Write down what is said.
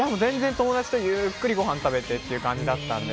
友達とゆっくりごはん食べてって感じだったので。